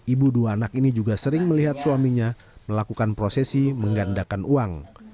ibu dua anak ini juga sering melihat suaminya melakukan prosesi menggandakan uang